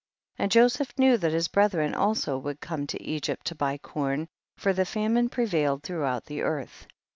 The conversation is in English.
32. And Joseph knew that his brethren also would come to Egypt to buy corn, for the famine prevailed throughout the earth.